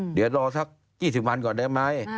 เดี๋ยวรอสัก๒๐วันก่อนได้ไหม